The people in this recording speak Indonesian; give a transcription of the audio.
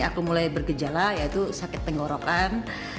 aku mulai bergejala yaitu sakit tenggorokan